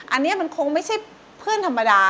อันนี้มันคงไม่ใช่เพื่อนธรรมดา